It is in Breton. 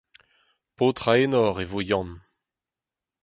Paotr-a-enor e vo Yann.